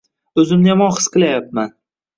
O'zimni yomon his qilayapman.